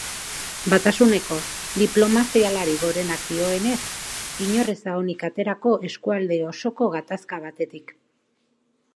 Batasuneko diplomazialari gorenak dioenez, inor ez da onik aterako eskualde osoko gatazka batetik.